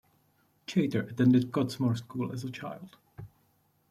Chater attended Cottesmore School as a child.